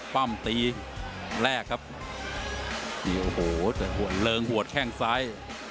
ปั้มตีแรกครับโอ้โหแต่หัวเริงหัวแข้งซ้าย